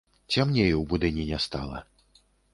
Цямней у будыніне стала.